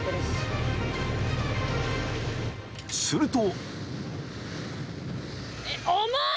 ［すると］